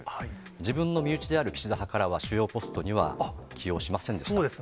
自分の身内である岸田派からは主要ポストには起用しませんでした。